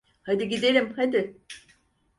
Hadi gidelim, hadi.